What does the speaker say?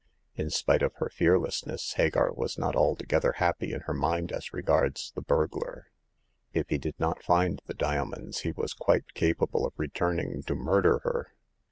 In spite of her fearlessness, Hagar was not altogether happy in her mind as regards the burglar. If he did not find the diamonds, he was quite capable of returning to murder her.